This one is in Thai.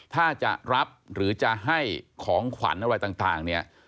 ถ้าจะรับหรือจะให้ของขวัญอะไรต่างเนี่ย